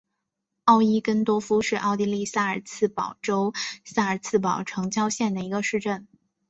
奥伊根多夫是奥地利萨尔茨堡州萨尔茨堡城郊县的一个市镇。